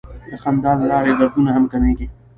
د خندا له لارې دردونه هم کمېږي.